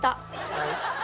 はい。